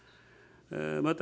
また、